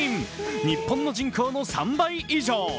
日本の人口の３倍以上。